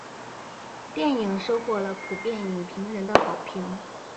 电影收获了普遍影评人的好评。